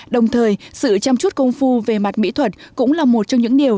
đồng thời sự chăm chút công phu về mặt mỹ thuật cũng là một trong những điều